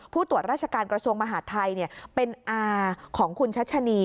ผู้ตรวจราชการกระทรวงมหาดไทยเป็นอาของคุณชัชนี